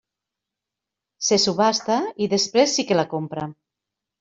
Se subhasta i després sí que la compra.